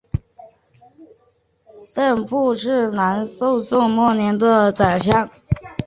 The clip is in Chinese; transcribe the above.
陆秀夫是南宋末年殉国的宰相。